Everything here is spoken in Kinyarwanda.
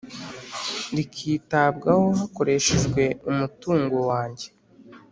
rikitabwaho hakoreshejwe umutungo wanjye